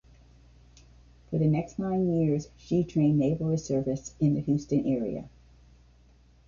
For the next nine years she trained Naval Reservists in the Houston, area.